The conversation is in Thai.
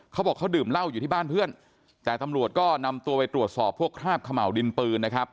เขาบอกเขาดื่มเหล้าอยู่ที่บ้านเพื่อนแต่ตำรวจก็นำตัวไปตรวจสอบพวกคราบเขม่าวดินปืนนะครับ